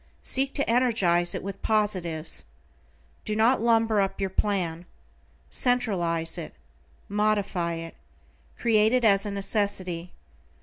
Seek to energize it with positives. Do not lumber up your plan. Centralize it. Modify it. Create it as a necessity.